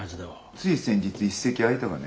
つい先日一席空いたがね。